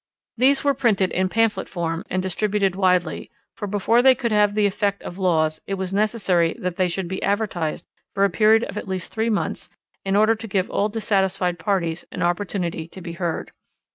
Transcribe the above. These were printed in pamphlet form and distributed widely; for before they could have the effect of laws it was necessary that they should be advertised for a period of at least three months in order to give all dissatisfied parties an opportunity to be heard.